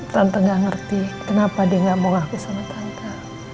tante gak ngerti kenapa dia nggak mau ngaku sama tante